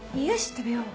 食べよう